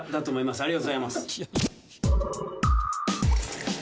ありがとうございます。